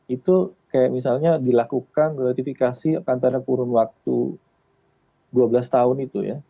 itu kayak misalnya dilakukan gratifikasi antara kurun waktu dua belas tahun itu ya